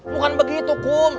bukan begitu kum